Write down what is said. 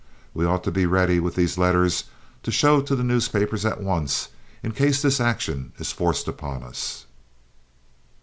We ought to be ready with these letters to show to the newspapers at once, in case this action is forced upon us."